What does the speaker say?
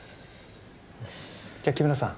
じゃあ木村さん。